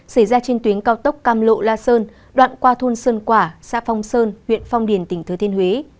xảy ra trên tuyến cao tốc cam lộ la sơn đoạn qua thôn sơn quả xã phong sơn huyện phong điền tỉnh thừa thiên huế